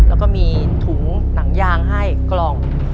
แล้วก็มีถุงหนังยางให้กล่อง